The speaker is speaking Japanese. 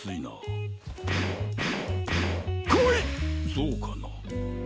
そうかな？